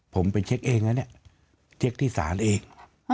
ผมไปเช็คเองแล้วเนี่ยเช็คที่ศาลเอง